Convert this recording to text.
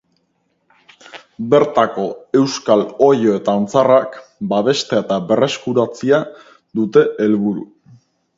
Bertako euskal oilo eta antzarak babestea eta berreskuratzea dute helburu.